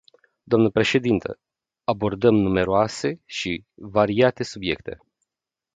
Dnă președintă, abordăm numeroase și variate subiecte.